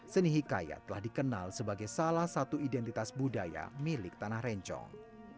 seni hikayat telah dikenal sebagai salah satu identitas budaya milik tanah rencong